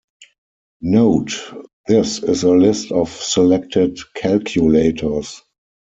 Note: This is a list of selected calculators.